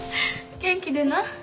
元気でな。